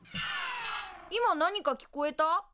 今何か聞こえた？